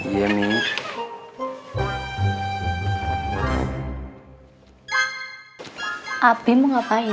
harus diperjuangkan diusahain